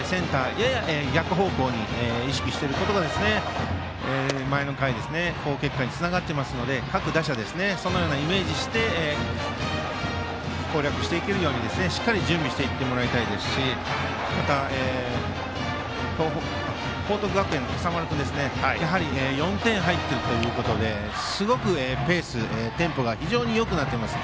やや逆方向に意識していることが前の回、好結果につながっていますので各打者、そのようにイメージして攻略していけるように準備していってもらいたいですし報徳学園の今朝丸君４点入っているということですごくペース、テンポがよくなっています。